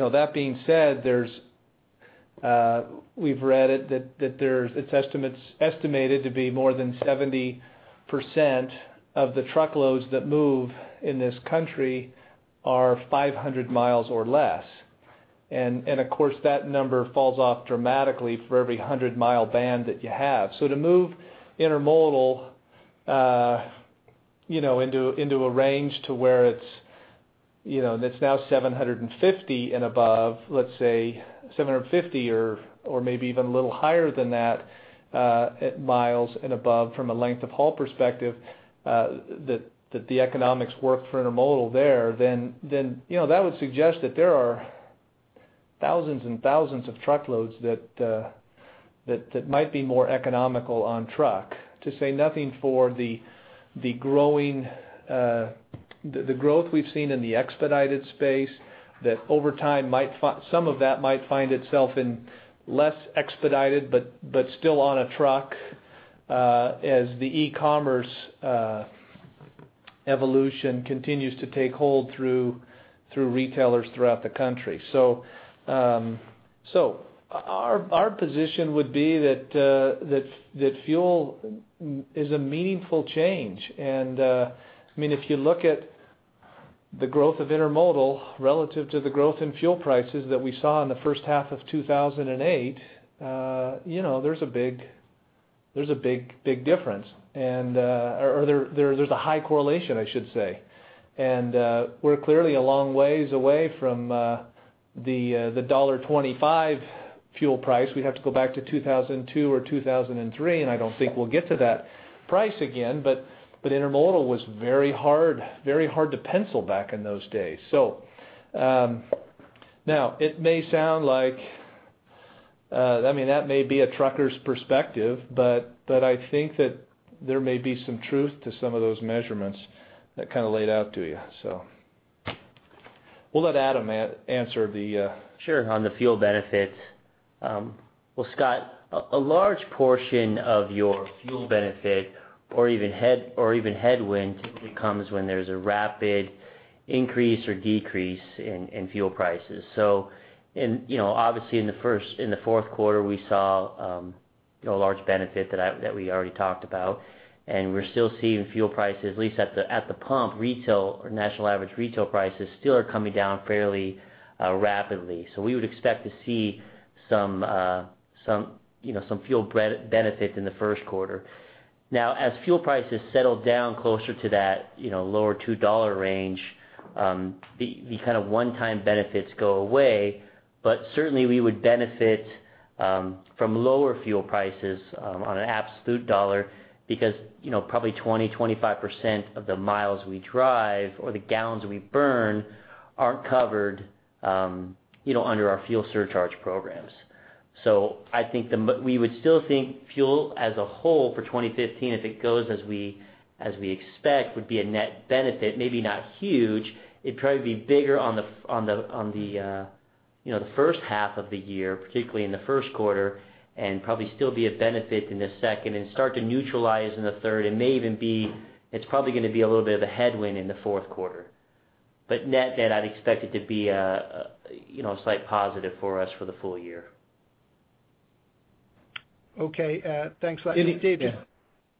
know, that being said, there's. It's estimated to be more than 70% of the truckloads that move in this country are 500 miles or less. Of course, that number falls off dramatically for every 100-mile band that you have. So to move intermodal, you know, into, into a range to where it's, you know, and it's now 750 and above, let's say 750 or, or maybe even a little higher than that, at miles and above from a length of haul perspective, that, that the economics work for intermodal there, then, then, you know, that would suggest that there are thousands and thousands of truckloads that, that, that might be more economical on truck, to say nothing for the, the growing, the, the growth we've seen in the expedited space, that over time might fi- some of that might find itself in less expedited, but, but still on a truck, as the e-commerce, evolution continues to take hold through, through retailers throughout the country. So, our position would be that fuel is a meaningful change. And, I mean, if you look at the growth of intermodal relative to the growth in fuel prices that we saw in the first half of 2008, you know, there's a big difference, or there's a high correlation, I should say. And, we're clearly a long ways away from the $1.25 fuel price. We'd have to go back to 2002 or 2003, and I don't think we'll get to that price again. But intermodal was very hard to pencil back in those days. So, now it may sound like, I mean, that may be a trucker's perspective, but, but I think that there may be some truth to some of those measurements that kind of laid out to you. So we'll let Adam answer the, Sure, on the fuel benefits. Well, Scott, a large portion of your fuel benefit, or even headwind, typically comes when there's a rapid increase or decrease in fuel prices. So, you know, obviously in the fourth quarter, we saw, you know, a large benefit that we already talked about, and we're still seeing fuel prices, at least at the pump, retail or national average retail prices still are coming down fairly rapidly. So we would expect to see some, you know, some fuel benefit in the first quarter. Now, as fuel prices settle down closer to that, you know, lower $2 range, the kind of one-time benefits go away, but certainly we would benefit from lower fuel prices on an absolute dollar, because, you know, probably 20%-25% of the miles we drive or the gallons we burn aren't covered, you know, under our fuel surcharge programs. So I think we would still think fuel as a whole for 2015, if it goes as we expect, would be a net benefit, maybe not huge. It'd probably be bigger on the, on the, you know, the first half of the year, particularly in the first quarter, and probably still be a benefit in the second and start to neutralize in the third, and may even be... It's probably going to be a little bit of a headwind in the fourth quarter. But net-net, I'd expect it to be a, you know, a slight positive for us for the full year. Okay, thanks a lot. Yeah.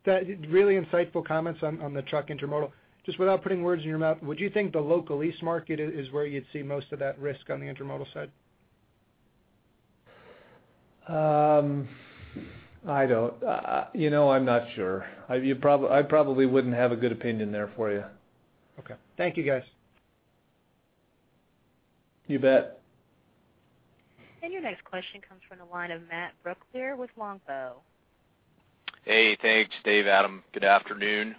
That really insightful comments on the truck intermodal. Just without putting words in your mouth, would you think the local lease market is where you'd see most of that risk on the intermodal side? I don't, you know, I'm not sure. I probably wouldn't have a good opinion there for you. Okay. Thank you, guys. You bet. Your next question comes from the line of Matt Brooklier with Longbow. Hey, thanks, Dave, Adam. Good afternoon.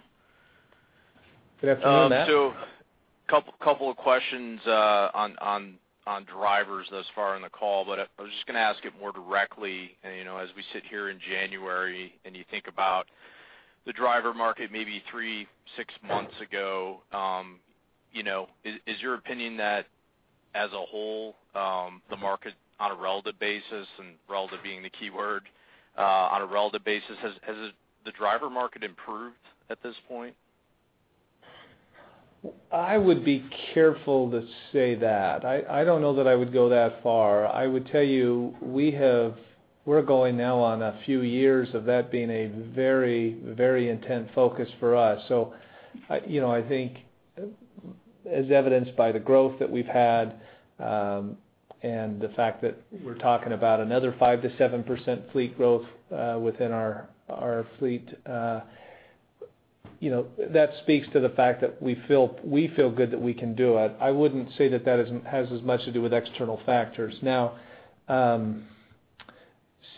Good afternoon, Matt. So, a couple of questions on drivers thus far in the call, but I'm just gonna ask it more directly. You know, as we sit here in January, and you think about the driver market, maybe 3-6 months ago, you know, is your opinion that as a whole, the market on a relative basis, and relative being the key word, on a relative basis, has the driver market improved at this point? I would be careful to say that. I, I don't know that I would go that far. I would tell you, we have... We're going now on a few years of that being a very, very intense focus for us. So I, you know, I think as evidenced by the growth that we've had, and the fact that we're talking about another 5%-7% fleet growth, within our, our fleet, you know, that speaks to the fact that we feel, we feel good that we can do it. I wouldn't say that that isn't has as much to do with external factors. Now,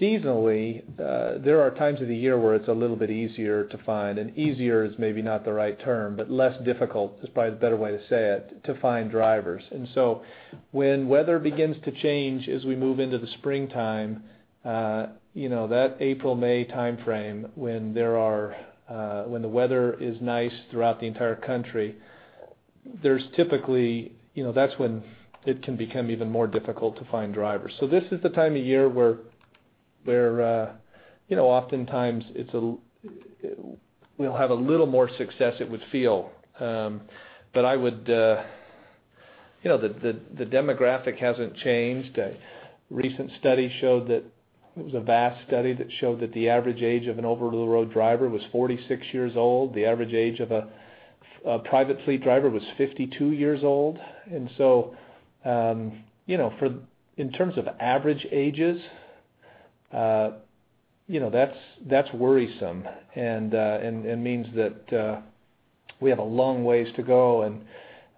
seasonally, there are times of the year where it's a little bit easier to find, and easier is maybe not the right term, but less difficult is probably a better way to say it, to find drivers. When weather begins to change as we move into the springtime, you know, that April-May timeframe when the weather is nice throughout the entire country, there's typically, you know, that's when it can become even more difficult to find drivers. So this is the time of year where, you know, oftentimes we'll have a little more success, it would feel. But I would, you know, the demographic hasn't changed. A recent study showed that, it was a vast study, that showed that the average age of an over-the-road driver was 46 years old. The average age of a private fleet driver was 52 years old. And so, you know, for, in terms of average ages, you know, that's worrisome. And that means that we have a long ways to go,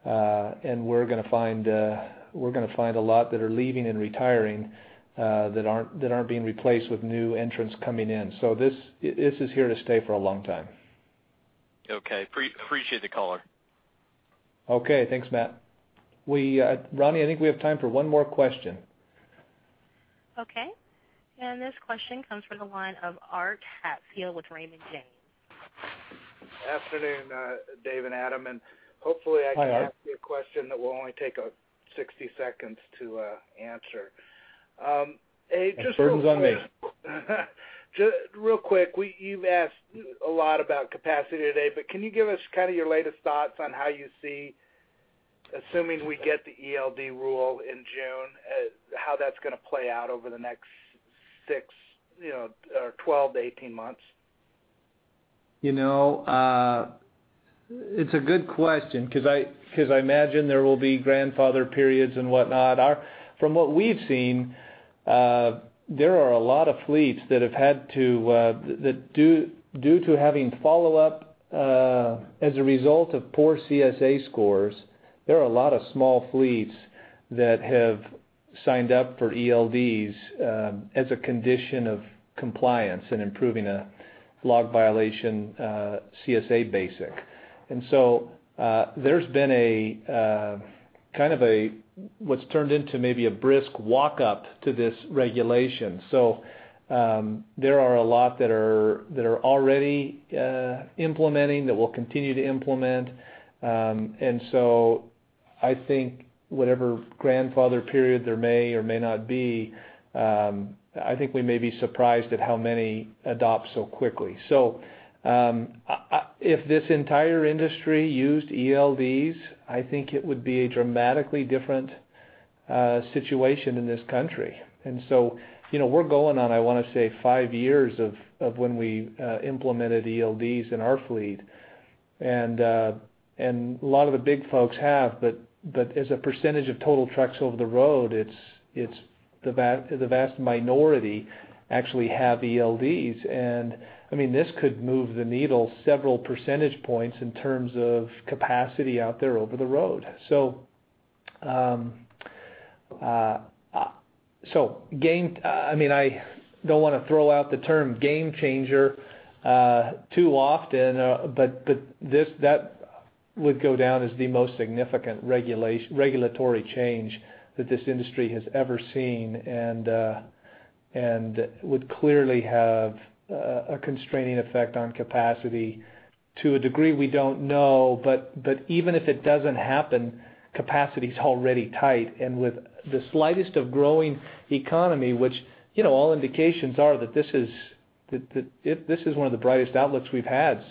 and we're gonna find a lot that are leaving and retiring that aren't being replaced with new entrants coming in. So this is here to stay for a long time. Okay. Appreciate the call. Okay. Thanks, Matt. We, Ronnie, I think we have time for one more question. Okay, and this question comes from the line of Art Hatfield with Raymond James. Afternoon, Dave and Adam, and hopefully, I- Hi, Art Can ask you a question that will only take 60 seconds to answer. Just real quick. The burden's on me. Just real quick, you've asked a lot about capacity today, but can you give us kind of your latest thoughts on how you see, assuming we get the ELD rule in June, how that's gonna play out over the next six, you know, or 12-18 months? You know, it's a good question 'cause I, 'cause I imagine there will be grandfather periods and whatnot. From what we've seen, there are a lot of fleets that have had to, that due to having follow-up as a result of poor CSA scores, there are a lot of small fleets that have signed up for ELDs as a condition of compliance and improving a log violation, CSA BASIC. And so, there's been a kind of a, what's turned into maybe a brisk walk-up to this regulation. So, there are a lot that are already implementing, that will continue to implement. And so I think whatever grandfather period there may or may not be, I think we may be surprised at how many adopt so quickly. So, if this entire industry used ELDs, I think it would be a dramatically different situation in this country. And so, you know, we're going on, I wanna say, five years of when we implemented ELDs in our fleet. And a lot of the big folks have, but as a percentage of total trucks over the road, it's the vast minority actually have ELDs. And, I mean, this could move the needle several percentage points in terms of capacity out there over the road. So, game... I mean, I don't wanna throw out the term game changer too often, but this that would go down as the most significant regulatory change that this industry has ever seen, and would clearly have a constraining effect on capacity to a degree we don't know. But even if it doesn't happen, capacity's already tight, and with the slightest of growing economy, which, you know, all indications are that this is, that, that. This is one of the brightest outlooks we've had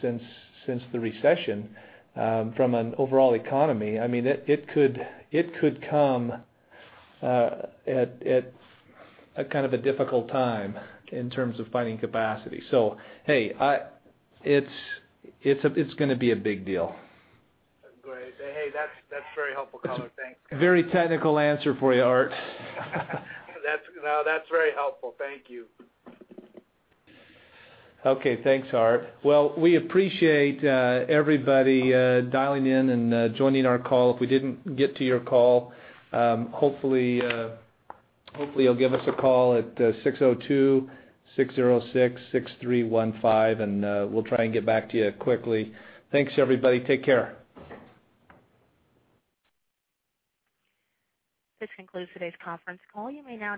since the recession, from an overall economy. I mean, it could come at a kind of a difficult time in terms of finding capacity. So, hey, it's gonna be a big deal. Great. Hey, that's, that's very helpful, color. Thanks. Very technical answer for you, Art. That's, no, that's very helpful. Thank you. Okay. Thanks, Art. Well, we appreciate everybody dialing in and joining our call. If we didn't get to your call, hopefully, hopefully, you'll give us a call at 602-606-6315, and we'll try and get back to you quickly. Thanks, everybody. Take care. This concludes today's conference call. You may now disconnect.